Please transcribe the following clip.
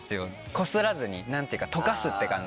こすらずに何ていうか溶かすって感じ。